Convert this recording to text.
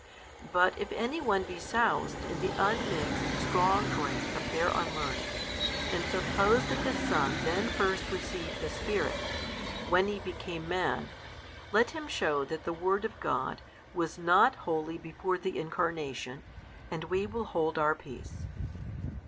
But if any one be soused in the unmixed strong drink of their unlearning, and suppose that the Son then first received the Spirit, when He became Man: let him shew that the Word of God was not holy before the Incarnation, and we will hold our peace.